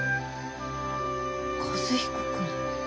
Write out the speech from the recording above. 和彦君。